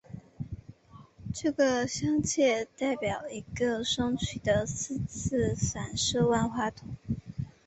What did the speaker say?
这个镶嵌代表一个双曲的四次反射万花筒。